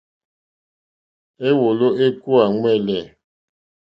Éwòló ékúwà ɱwɛ̂lɛ̂.